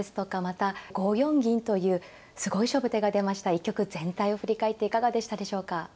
一局全体を振り返っていかがでしたでしょうか。